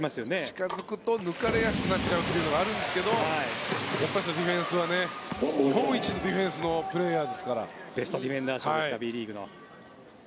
近付くと抜かれやすくなっちゃうというのがあるんですけど、ディフェンスは日本一のディフェンスのＢリーグのベストディフェンダー賞ですから。